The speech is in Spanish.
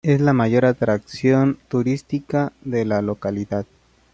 Es la mayor atracción turística de la localidad.